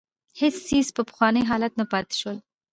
هېڅ څېز په پخواني حالت پاتې نه شول.